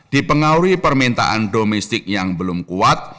dipengaruhi permintaan domestik yang belum kuat